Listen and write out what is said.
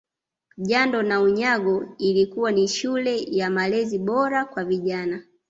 Jando na Unyago ilikuwa ni shule ya malezi bora kwa vijana